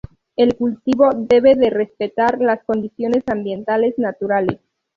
El cultivo debe de respetar las condiciones ambientales naturales.